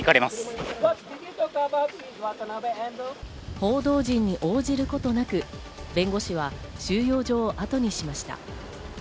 報道陣に応じることなく、弁護士は収容所をあとにしました。